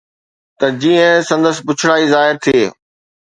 ته جيئن سندس بڇڙائي ظاهر ٿئي